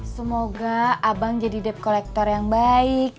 semoga abang jadi dep kolektor yang baik